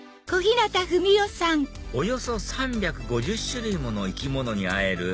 およそ３５０種類もの生き物に会える